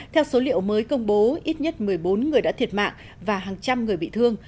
theo số liệu mới công bố ít nhất một mươi bốn người đã thiệt mạng và hàng trăm người bị thương